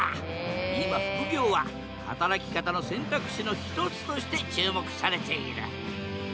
今副業は働き方の選択肢の一つとして注目されている！